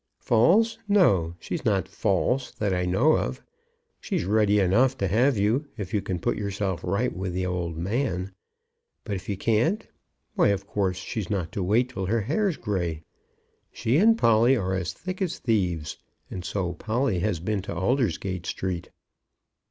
"False! No! she's not false that I know of. She's ready enough to have you, if you can put yourself right with the old man. But if you can't, why, of course, she's not to wait till her hair's grey. She and Polly are as thick as thieves, and so Polly has been to Aldersgate Street.